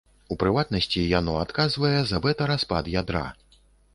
У прыватнасці, яно адказвае за бэта-распад ядра.